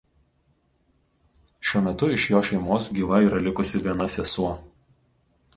Šiuo metu iš jo šeimos gyva yra likusi viena sesuo.